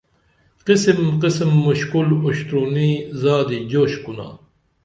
قسم قسم مُشکُل اُشترُنی زادی جوش کُنا